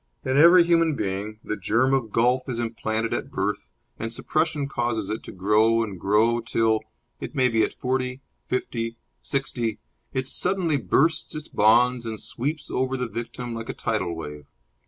In every human being the germ of golf is implanted at birth, and suppression causes it to grow and grow till it may be at forty, fifty, sixty it suddenly bursts its bonds and sweeps over the victim like a tidal wave.